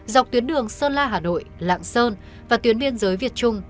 dọc tuyến đường sơn la hà nội lạng sơn và tuyến biên giới việt trung